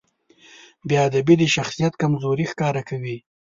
بېادبي د شخصیت کمزوري ښکاره کوي.